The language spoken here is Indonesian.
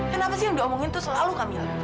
kenapa sih yang diomongin itu selalu camilla